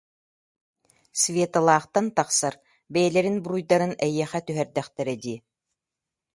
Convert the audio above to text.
Светалаахтан тахсар, бэйэлэрин буруйдарын эйиэхэ түһэрдэхтэрэ дии